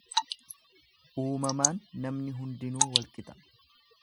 Uumamaan namni hundinuu walqixa.